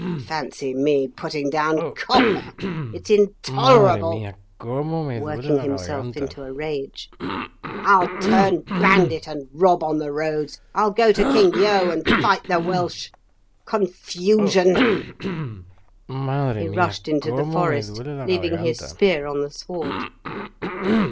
Fancy me putting down copper! It's intolerable" (working himself into a rage). "I'll turn bandit, and rob on the roads. I'll go to King Yeo and fight the Welsh. Confusion!" He rushed into the forest, leaving his spear on the sward.